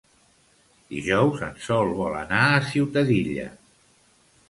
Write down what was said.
Dijous en Sol vol anar a Ciutadilla.